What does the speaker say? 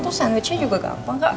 tuh sandwichnya juga gampang kak